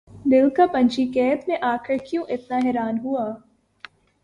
دل کا پنچھی قید میں آ کر کیوں اتنا حیران ہوا